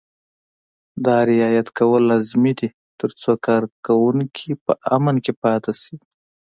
دا رعایت کول لازمي دي ترڅو کارکوونکي په امن کې پاتې شي.